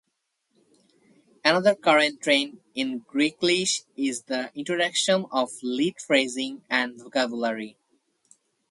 Another current trend in Greeklish is the introduction of Leet phrasing and vocabulary.